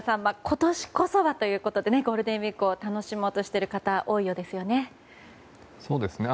今年こそはということでゴールデンウィークを楽しもうとしている方が多いようですよね。